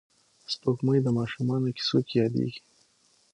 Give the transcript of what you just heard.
سپوږمۍ د ماشومانو کیسو کې یادېږي